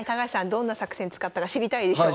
どんな作戦使ったか知りたいでしょ？